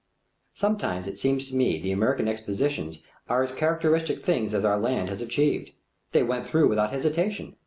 Sometimes it seems to me the American expositions are as characteristic things as our land has achieved. They went through without hesitation.